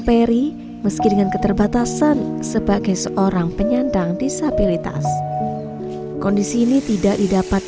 peri meski dengan keterbatasan sebagai seorang penyandang disabilitas kondisi ini tidak didapat